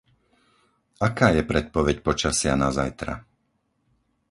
Aká je predpoveď počasia na zajtra?